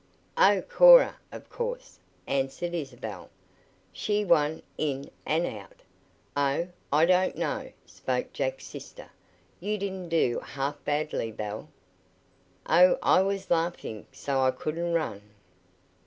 "Oh, Cora, of course," answered Isabel. "She won in and out." "Oh, I don't know," spoke Jack's sister. "You didn't do half badly, Belle." "Oh, I was laughing so I couldn't run."